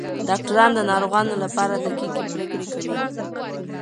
ډاکټران د ناروغانو لپاره دقیقې پریکړې کوي.